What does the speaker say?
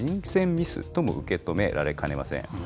ミスとも受け止められかねません。